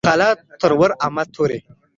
خاله ترور امه توړۍ